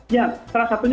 ya salah satunya